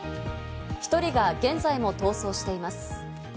１人が現在も逃走しています。